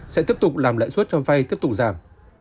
sẽ tiếp tục làm lãi suất cho vay tiếp tục giảm